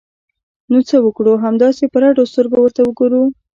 نو څه وکړو؟ همداسې په رډو سترګو ورته وګورو!